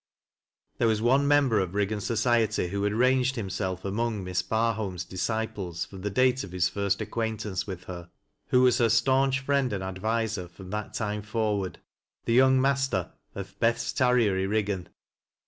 There was one member of Higgan society who had ranged himself among Miss Barholm's disciples from the date of his first acquaintance with her, who was her stanch friend and adviser from that time forward — the young master of " th' best tarrier i' Eiggan."